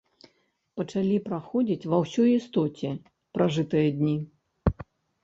Пачалі праходзіць ва ўсёй істоце пражытыя дні.